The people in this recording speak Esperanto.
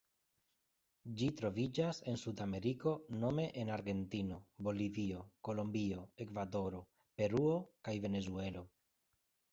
Ĝi troviĝas en Sudameriko nome en Argentino, Bolivio, Kolombio, Ekvadoro, Peruo kaj Venezuelo.